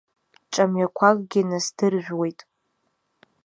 Ҿамҩақәакгьы насдыржәуеит.